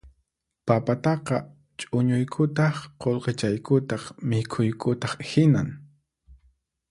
Papataqa chuñuykutaq qullqichaykutaq mikhuykutaq hinan